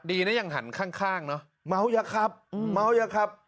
ดีนะยังหันข้างเนอะเมาอย่าขับเมาอย่าขับ